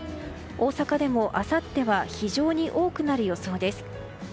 大阪でもあさっては非常に多くなる予想です。